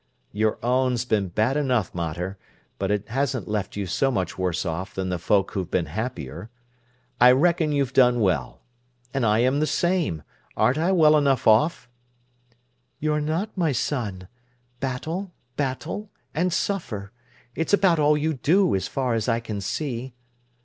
"Your own's been bad enough, mater, but it hasn't left you so much worse off than the folk who've been happier. I reckon you've done well. And I am the same. Aren't I well enough off?" "You're not, my son. Battle—battle—and suffer. It's about all you do, as far as I can see."